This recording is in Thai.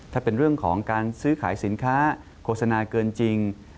ถ้าเป็นเรื่องของการซื้อขายสินค้าโฆษณาเกินจริง